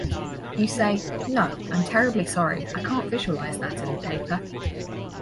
You say, 'No, I'm terribly sorry, I can't visualise that in the paper.